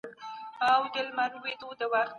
د کاري فرصتونو برابرول مهاجرتونه کموي.